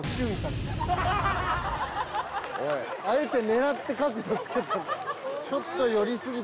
あえて狙って角度つけた。